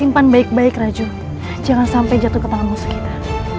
simpan baik baik raju jangan sampai jatuh ke tangan musuh kita